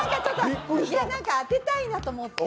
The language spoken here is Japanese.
いや、当てたいなと思って。